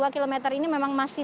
dua km ini memang masih